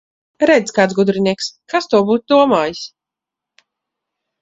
Redz, kāds gudrinieks! Kas to būtu domājis!